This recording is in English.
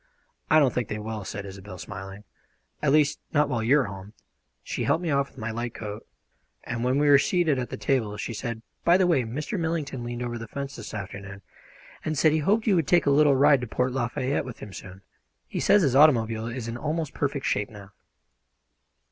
"I don't think they will," said Isobel, smiling. "At least not while you are home." She helped me off with my light coat, and when we were seated at the table she said: "By the way, Mr. Millington leaned over the fence this afternoon, and said he hoped you would take a little ride to Port Lafayette with him soon. He says his automobile is in almost perfect shape now."